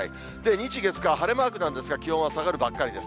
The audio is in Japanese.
日、月、火、晴れマークなんですが、気温は下がるばっかりです。